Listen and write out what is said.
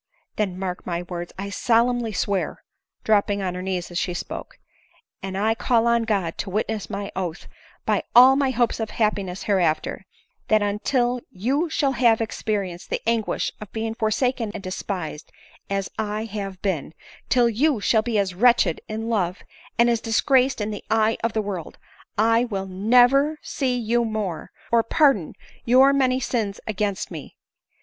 Then mark my words ; I solemnly swear," dropping on her knees as she spoke, " and I call on God to witness my oath, by all my hopes of happiness hereafter, that until you shall have experienced the anguish of being forsaken and despised as I have been — till you shall be as wretched in love, and as disgraced in the eye of the world, I never will see you more, or pardon your many sins against me — 1 ADELINE MOWBRAY.